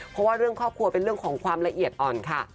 เพราะว่าเรื่องครอบครัวเป็นเรื่องของความละเอียดอ่อนค่ะ